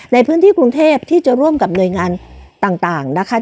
ในพื้นที่กรุงเทพที่จะร่วมกับหน่วยงานต่างนะคะ